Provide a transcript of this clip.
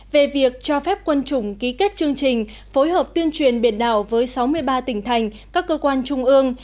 về việc cho phép quân chủng ký kết chương trình phối hợp tuyên truyền biển đảo với sáu mươi ba tỉnh thành các cơ quan trung ương